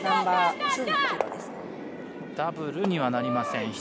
ダブルにはなりません。